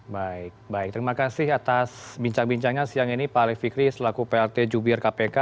baik baik terima kasih atas bincang bincangnya siang ini pak alif fikri selaku plt jubir kpk